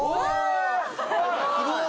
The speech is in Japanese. すごい！